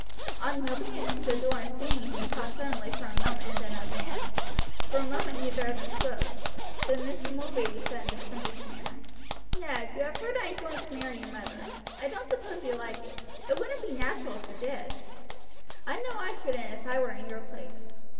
On opening the door and seeing him he paused suddenly for a moment and then advanced. For a moment neither of them spoke, then Mr. Mulready said in his frankest manner: "Ned, you have heard I am going to marry your mother. I don't suppose you quite like it; it wouldn't be natural if you did; I know I shouldn't if I were in your place.